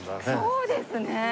そうですね。